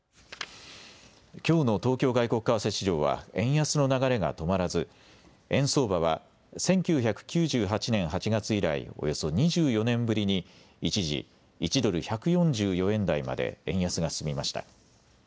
きょうの東京外国為替市場は円安の流れが止まらず円相場は１９９８年８月以来、およそ２４年ぶりに一時、１ドル１４４円台まで円安が進みました。